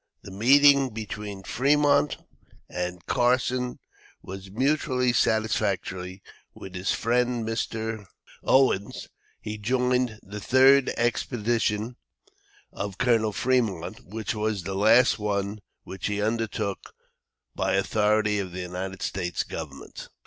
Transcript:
The meeting between Fremont and Carson was mutually satisfactory. With his friend, Mr. Owens, he joined the Third expedition of Col. Fremont, which was the last one which he undertook by authority of the United States government.